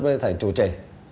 với thầy chủ trì